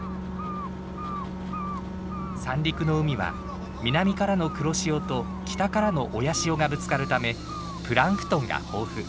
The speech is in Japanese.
三陸の海は南からの黒潮と北からの親潮がぶつかるためプランクトンが豊富。